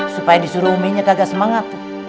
supaya disuruh umi gak semangat tuh